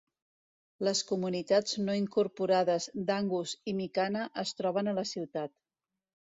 Les comunitats no incorporades d'Angus i Mikana es troben a la ciutat.